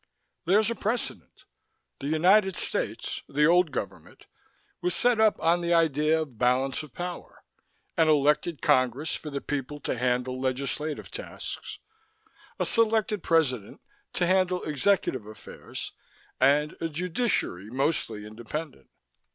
"There's a precedent. The United States the old government was set up on the idea of balance of power: an elected Congress for the people to handle legislative tasks, a selected President to handle executive affairs, and a Judiciary mostly independent.